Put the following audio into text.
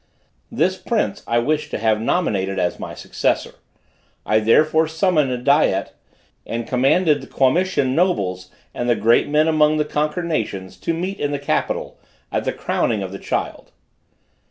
This prince I wished to have nominated as my successor. I therefore summoned a Diet, and commanded the Quamitian nobles and the great men among the conquered nations, to meet in the capital, at the crowning of the child.